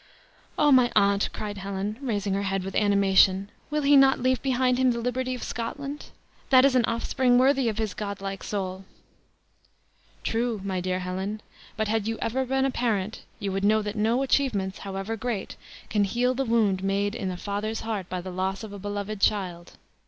"Ah, my aunt," cried Helen, raising her head with animation, "will he not leave behind him the liberty of Scotland? That is an offspring worthy of his god like soul." "True, my dear Helen; but had you ever been a parent, you would know that no achievements, however great, can heal the wound made in a father's heart by the loss of a beloved child.